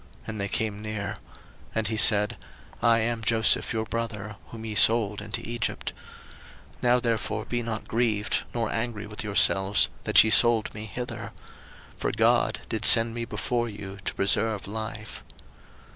And they came near. And he said, I am Joseph your brother, whom ye sold into Egypt. 01:045:005 Now therefore be not grieved, nor angry with yourselves, that ye sold me hither: for God did send me before you to preserve life.